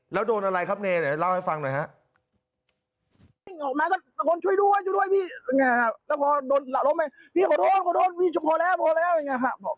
แล้วโดนอะไรครับเมียเร่อเล่าให้ฟังหน่อยครับ